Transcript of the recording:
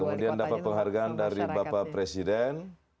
kemudian dapat penghargaan dari bapak presiden